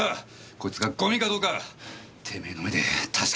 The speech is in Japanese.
こいつがゴミかどうかてめえの目で確かめてみろほら！